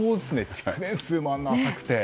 築年数もあんなに浅くて。